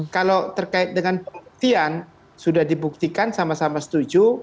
kalau terkait dengan pembuktian sudah dibuktikan sama sama setuju